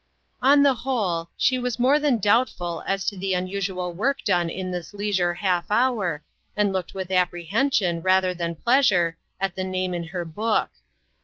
On the whole, she was more than doubt ful as to the unusual work done in this leisure half hour, and looked with appre hension rather than pleasure at the name in her book.